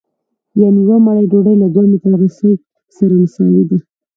یانې یوه مړۍ ډوډۍ له دوه متره رسۍ سره مساوي ده